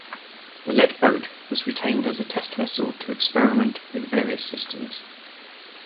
The lead boat was retained as a test vessel to experiment with various systems.